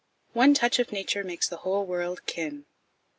"One touch of nature makes the whole word kin."